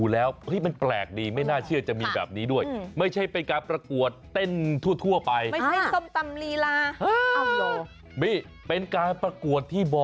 แล้วเมื่อกี้เสียงอะไรนะไปสิไปสิ